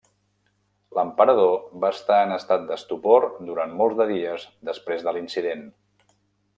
L'emperador va estar en estat d'estupor durant molts de dies després de l'incident.